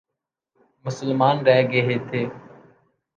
مسلمان رہ گئے تھے۔